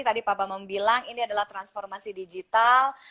tadi pak bambang bilang ini adalah transformasi digital